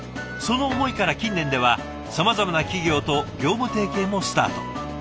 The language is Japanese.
その思いから近年ではさまざまな企業と業務提携もスタート。